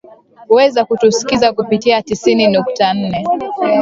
weza kutusikiliza kupitia tisini nukta nne